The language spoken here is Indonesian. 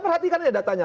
perhatikan ini datanya